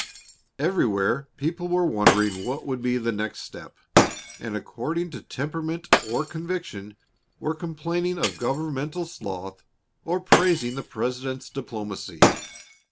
Everywhere people were wondering what would be the next step, and, according to temperament or conviction, were complaining of governmental sloth or praising the President's diplomacy.